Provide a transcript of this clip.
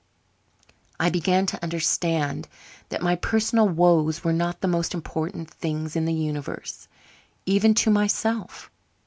I began to understand that my personal woes were not the most important things in the universe, even to myself.